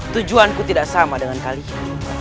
tujuan ku tidak sama dengan kalian